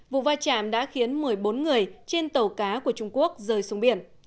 vụ va chạm đã khiến một mươi bốn người trên tàu cá của trung quốc rơi xuống biển